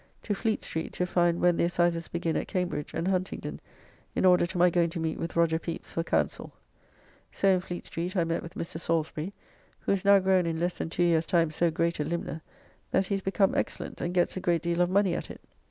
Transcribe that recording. To Fleet Street to find when the Assizes begin at Cambridge and Huntingdon, in order to my going to meet with Roger Pepys for counsel. So in Fleet Street I met with Mr. Salisbury, who is now grown in less than two years' time so great a limner that he is become excellent, and gets a great deal of money at it.